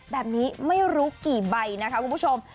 แบบนี้ไม่รู้กี่ใบนะคะคุณผู้ชม